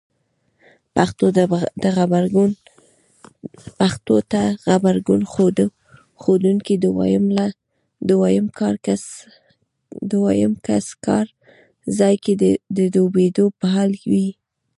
پېښو ته غبرګون ښودونکی دویم کس کار ځای کې د ډوبېدو په حال وي.